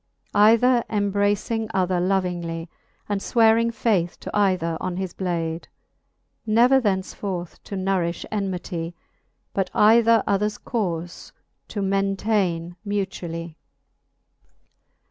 Either enibracing other lovingly, And fwearing faith to either on his blade, Never thenceforth to nourifh enmity, But either others caufe to maintaine mutually.